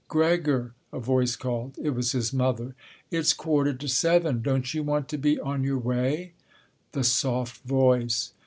"Gregor," a voice called—it was his mother!—"it's quarter to seven. Don't you want to be on your way?" The soft voice!